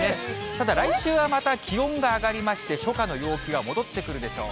ただ、来週はまた気温が上がりまして、初夏の陽気が戻ってくるでしょう。